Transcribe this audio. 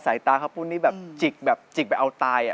สายตาเค้าปูนนี้แบบจิกแบบจิกไปเอาตาย